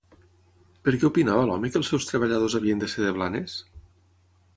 Per què opinava l'home que els seus treballadors havien de ser de Blanes?